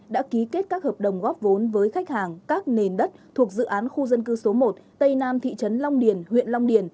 đã ký kết các hợp đồng góp vốn với khách hàng các nền đất thuộc dự án khu dân cư số một tây nam thị trấn long điền huyện long điền